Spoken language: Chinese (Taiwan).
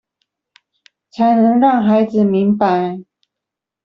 才能讓孩子明白